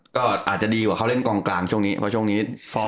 ก็อาจจะดีกว่าเขาเล่นกองกลางช่วงนี้